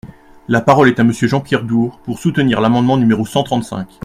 La parole est à Monsieur Jean-Pierre Door, pour soutenir l’amendement numéro cent trente-cinq.